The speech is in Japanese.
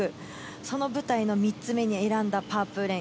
その舞台の３つ目に選んだパープーレン。